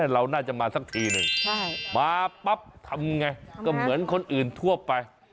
เราน่าจะมาสักทีหนึ่งมาปั๊บทำไงก็เหมือนคนอื่นทั่วไป